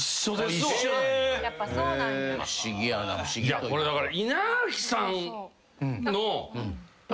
いやこれだから。